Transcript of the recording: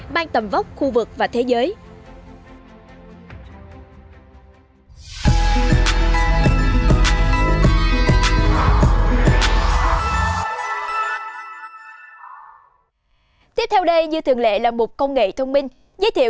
mang tầm vóc khu vực và thế giới